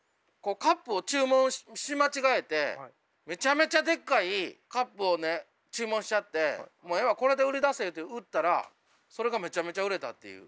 カップを注文し間違えてめちゃめちゃでっかいカップをね注文しちゃってもうええわこれで売り出せって売ったらそれがめちゃめちゃ売れたっていう。